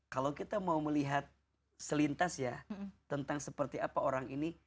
kalau kita mau melihat selintas ya tentang seperti apa orang ini